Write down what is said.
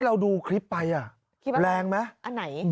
เราดูคลิปไปอ่ะแรงมั้ย